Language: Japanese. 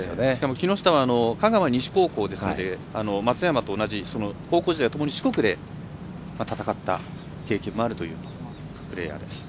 木下はしかも香川西高校ですので松山と同じ高校時代、ともに四国で戦った経験もあるというプレーヤーです。